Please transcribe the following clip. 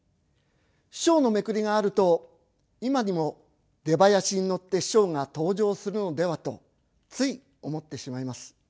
師匠のめくりがあると今にも出囃子に乗って師匠が登場するのではとつい思ってしまいます。